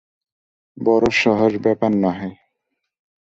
বড়ো সহজ ব্যাপার নহে।